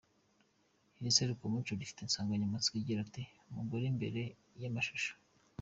Iri serukiramuco rifite nsanganyamatsiko igira iti, “Umugore imbere y’amashusho.